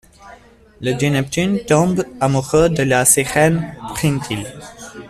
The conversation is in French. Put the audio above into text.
Le dieu Neptune tombe amoureux de la sirène Pryntyl.